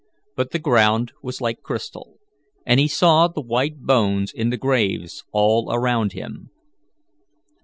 But the ground was like crystal, and he saw the white bones in the graves all around him.